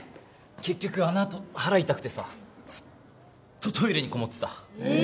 結局あのあと腹痛くてさずっとトイレにこもってたええ！